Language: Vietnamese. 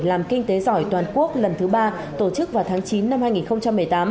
làm kinh tế giỏi toàn quốc lần thứ ba tổ chức vào tháng chín năm hai nghìn một mươi tám